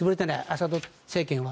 アサド政権は。